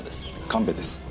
神戸です。